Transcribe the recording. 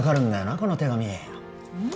この手紙うん？